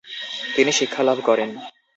তিনি শিক্ষালাভ করেন।